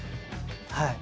はい